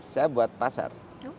saya buat pasar